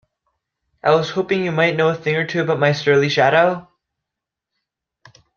I was hoping you might know a thing or two about my surly shadow?